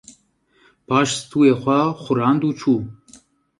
Paş stûyê xwe xurand û çû